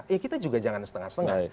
ya kita juga jangan setengah setengah